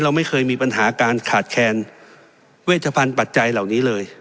เราไม่เคยมีปัญหาการขาดแคลนเวชภัณฑ์ปัจจัยเหล่านี้เลย